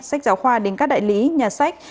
sách giáo khoa đến các đại lý nhà sách